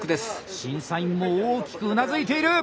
審査員も大きくうなずいている！